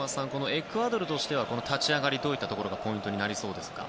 エクアドルとしては後半の立ち上がりどういったところがポイントになりそうでしょうか。